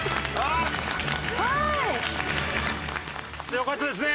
よかったですね。